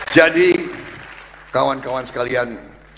jadi kawan kawan sekalian